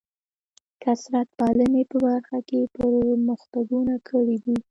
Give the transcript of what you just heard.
کثرت پالنې په برخه کې پرمختګونه کړي دي.